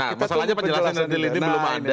nah masalahnya penjelasan detail ini belum ada